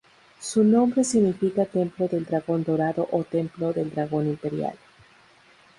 Su nombre significa "Templo del dragón dorado" o "Templo del dragón imperial".